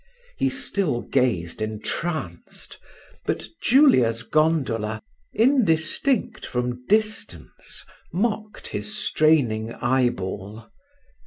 He still gazed entranced, but Julia's gondola, indistinct from distance, mocked his straining eyeball.